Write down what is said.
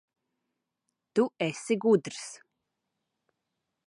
Tu esi gudrs.